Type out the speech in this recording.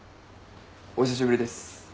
お久しぶりです。